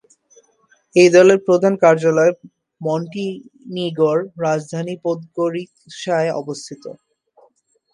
এই দলের প্রধান কার্যালয় মন্টিনিগ্রোর রাজধানী পোদগোরিৎসায় অবস্থিত।